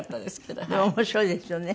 面白いですよね。